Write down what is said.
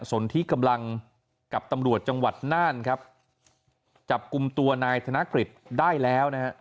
สนที่กำลังกับตำรวจจังหวัดน่านครับจับกลุ่มตัวนายธนกฤษได้แล้วนะฮะ